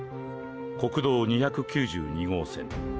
国道２９２号線